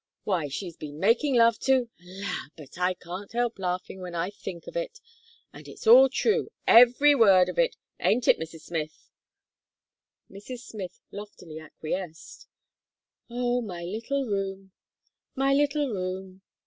Why, she's been a making love to la! but I can't help laughing, when I think of it; and it's all true, every word of it; aint it, Mrs. Smith?" Mrs. Smith loftily acquiesced. "Oh! my little room my little room!"